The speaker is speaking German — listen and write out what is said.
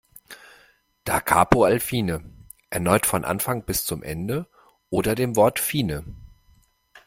Da Capo al fine: Erneut von Anfang bis zum Ende oder dem Wort "fine".